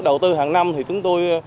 đầu tư hàng năm thì chúng tôi